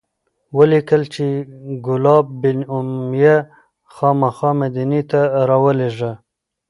ولیکل چې کلاب بن امیة خامخا مدینې ته راولیږه.